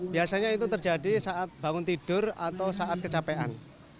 biasanya itu terjadi saat bangun tidur atau saat kecapean